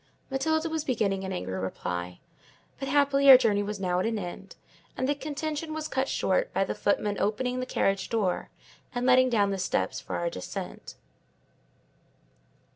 Matilda was beginning an angry reply; but, happily, our journey was now at an end; and the contention was cut short by the footman opening the carriage door, and letting down the steps for our descent.